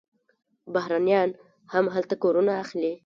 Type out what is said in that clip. بهرنیان هم هلته کورونه اخلي.